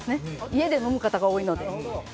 家で飲む方が多いので。